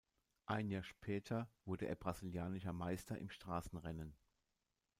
Ein Jahr später wurde er brasilianischer Meister im Straßenrennen.